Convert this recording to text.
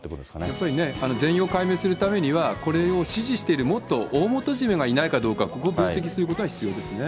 やっぱりね、全容解明するためには、これを指示しているもっと大元締めがいないかどうか、ここを分析することが必要ですね。